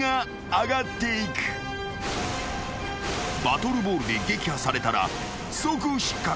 ［バトルボールで撃破されたら即失格］